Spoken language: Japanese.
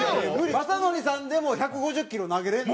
雅紀さんでも１５０キロ投げれるの？